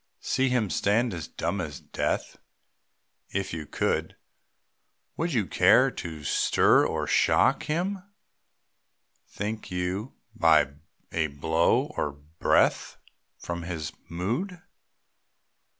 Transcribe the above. See him stand as dumb as death. If you could, Would you care to stir or shock Him, think you, by a blow or breath, From his mood?